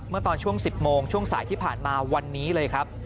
เมื่อตอนช่วง๑๐โมงช่วงสายที่ผ่านมาวันนี้เลยครับ